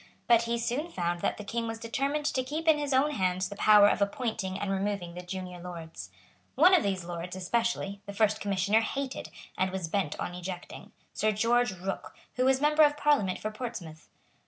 But he soon found that the King was determined to keep in his own hands the power of appointing and removing the junior Lords. One of these Lords, especially, the First Commissioner hated, and was bent on ejecting, Sir George Rooke, who was Member of Parliament for Portsmouth.